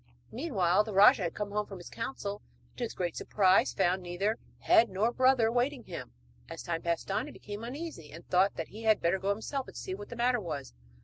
Meanwhile the rajah came home from his council, and to his great surprise found neither head nor brother awaiting him; as time passed on, he became uneasy, and thought that he had better go himself and see what the matter was.